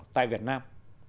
tại việt nam